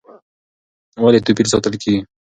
ولې توپیر ساتل کېږي؟